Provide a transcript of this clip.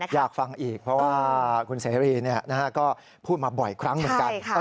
อยากฟังอีกเพราะว่าคุณเสรีก็พูดมาบ่อยครั้งเหมือนกัน